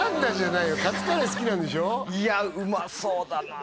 いやうまそうだな